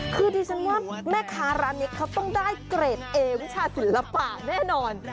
คือดิฉันว่าแม่ค้าร้านนี้เขาต้องได้เกรดเอวิชาศิลปะแน่นอน